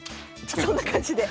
そんな感じで。